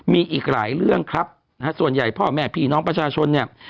มีอีกหลายเรื่องครับนะฮะส่วนใหญ่พ่อแม่พี่น้องประชาชนเนี่ย